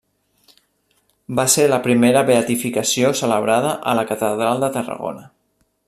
Va ser la primera beatificació celebrada a la Catedral de Tarragona.